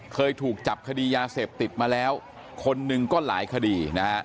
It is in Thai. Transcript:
เคยถูกจับคดียาเสพติดมาแล้วคนหนึ่งก็หลายคดีนะฮะ